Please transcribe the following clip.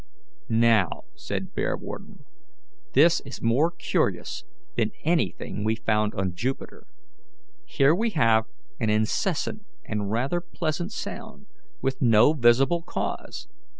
"Now," said Bearwarden, "this is more curious than anything we found on Jupiter. Here we have an incessant and rather pleasant sound, with no visible cause."